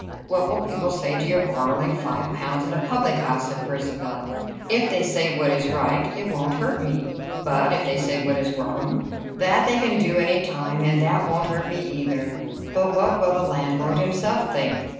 "What will people say to your borrowing five pounds at a public house?" said Percivale. "If they say what is right, it won't hurt me." "But if they say what is wrong?" "That they can do any time, and that won't hurt me, either." "But what will the landlord himself think?"